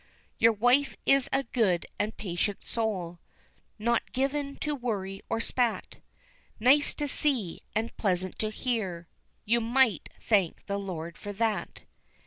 Your wife is a good and patient soul, Not given to worry or spat, Nice to see, and pleasant to hear, You might thank the Lord for that.